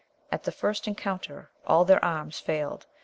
At the first encounter all their arms failed, u.